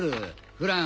フラン！